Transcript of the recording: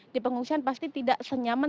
di pengungsian pasti tidak senyaman